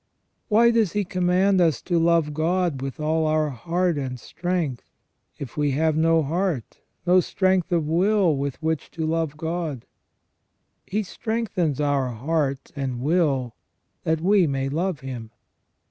Why does He command us to love God with all our heart and strength, if we have no heart, no strength of will with which to love God ? He strengthens our heart and will that we may love Him.